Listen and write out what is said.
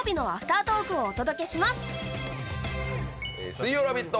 水曜「ラヴィット！」